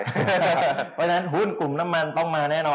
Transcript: เพราะฉะนั้นหุ้นกลุ่มน้ำมันต้องมาแน่นอน